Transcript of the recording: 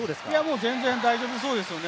もう全然大丈夫そうですね。